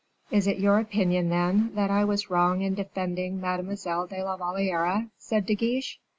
"Is it your opinion, then, that I was wrong in defending Mademoiselle de la Valliere?" said De Guiche.